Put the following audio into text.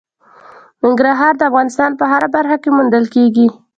ننګرهار د افغانستان په هره برخه کې موندل کېږي.